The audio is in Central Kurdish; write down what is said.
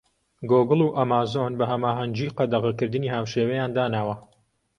گۆگڵ و ئەمازۆن بە هەماهەنگی قەدەغەکردنی هاوشێوەیان داناوە.